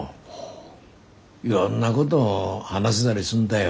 いろんなごど話せだりすんだよ。